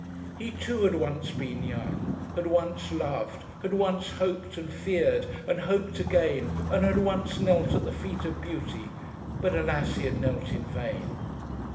"He too had once been young, had once loved, had once hoped and feared, and hoped again, and had once knelt at the feet of beauty. But alas! he had knelt in vain.